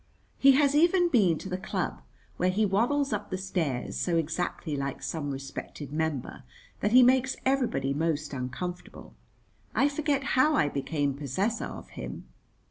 He has even been to the club, where he waddles up the stairs so exactly like some respected member that he makes everybody most uncomfortable. I forget how I became possessor of him.